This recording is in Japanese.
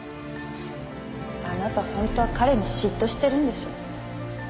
あなた本当は彼に嫉妬してるんでしょ。